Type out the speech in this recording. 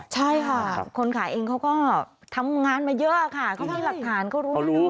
มีหลักฐานมาเยอะค่ะเขาว่าหลักฐานเขารู้น่ะ